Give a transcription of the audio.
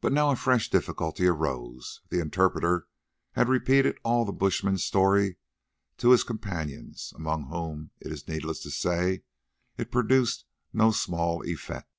But now a fresh difficulty arose. The interpreter had repeated all the bushmen's story to his companions, among whom, it is needless to say, it produced no small effect.